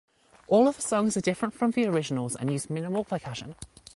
All of the songs are different from the originals and use minimal percussion.